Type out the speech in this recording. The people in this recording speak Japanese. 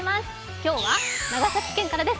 今日は長崎県からです。